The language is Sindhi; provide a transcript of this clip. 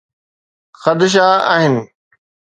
خدشا آهن.